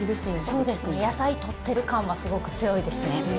そうですね、野菜とってる感は、すごく強いですね。